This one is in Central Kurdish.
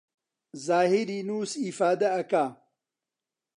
زاهیری نوسووس ئیفادە ئەکا